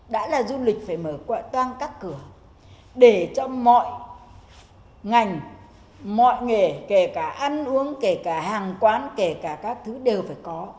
đã là du lịch phải mở toan các cửa để cho mọi ngành mọi nghề kể cả ăn uống kể cả hàng quán kể cả các thứ đều phải có